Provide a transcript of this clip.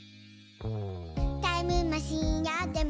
「タイムマシンあっても」